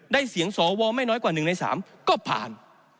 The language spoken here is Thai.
เสียงสวไม่น้อยกว่า๑ใน๓ก็ผ่าน